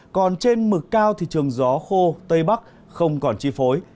còn trên mực cao thì trường gió khô tây bắc không còn chi phối